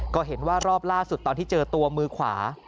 ก็เห็นว่ารอบล่าสุดตอนที่เจอตัวมือขวา